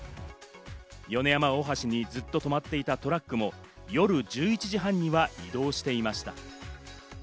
米山大橋にずっと止まっていたトラックも、夜１１時半には移動していました。